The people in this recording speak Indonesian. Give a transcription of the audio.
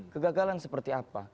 kegagalan seperti apa